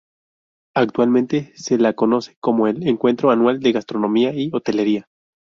Actualmente se la conoce como 'El Encuentro Anual de Gastronomía y Hotelería'.